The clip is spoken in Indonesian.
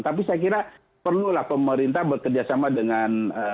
tapi saya kira perlulah pemerintah bekerjasama dengan